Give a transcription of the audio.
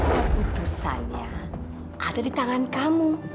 keputusannya ada di tangan kamu